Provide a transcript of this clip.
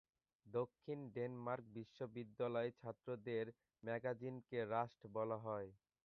দক্ষিণ ডেনমার্ক বিশ্ববিদ্যালয়ের ছাত্রদের ম্যাগাজিনকে "রাস্ট" বলা হয়।